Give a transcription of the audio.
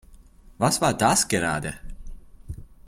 Was war das gerade?